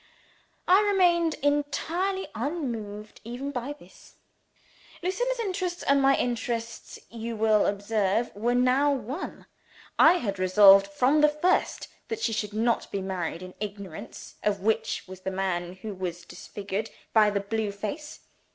I remained entirely unmoved even by this. Lucilla's interests and my interests, you will observe, were now one. I had resolved, from the first, that she should not be married in ignorance of which was the man who was disfigured by the blue face.